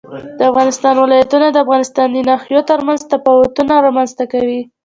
د افغانستان ولايتونه د افغانستان د ناحیو ترمنځ تفاوتونه رامنځ ته کوي.